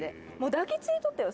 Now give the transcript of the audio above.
「抱き付いとったよ！」